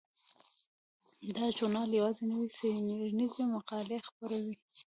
دا ژورنال یوازې نوې څیړنیزې مقالې خپروي.